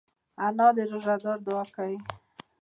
انا د روژهدار دعا کوي